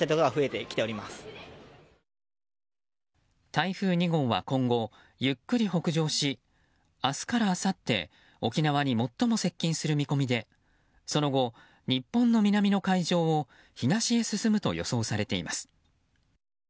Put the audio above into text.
台風２号は今後ゆっくり北上し明日からあさって沖縄に最も接近する見込みでその後、日本の南の海上を東へ進むと予想されています。